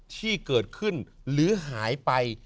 ที่เกิดขึ้นหรือหายไป